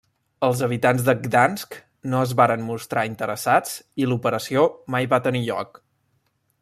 Els habitants de Gdansk no es varen mostrar interessats i l'operació mai va tenir lloc.